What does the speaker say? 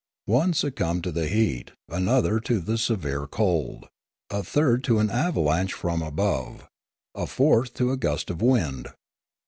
One sue 1 68. Limanora cumbed to the heat, another to the severe cold, a third to an avalanche from above, a fourth to a gust of wind.